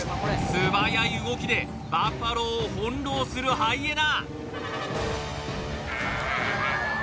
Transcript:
素早い動きでバッファローを翻弄するハイエナ